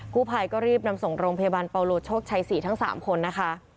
ผู้ภัยก็รีบนำส่งโรงพยาบาลปาโลโชคชัย๔ทั้ง๓คนนะคะ